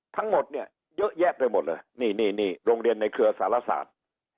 ทั้งหมดเนี่ยเยอะแยะไปหมดเลยนี่นี่โรงเรียนในเครือสารศาสตร์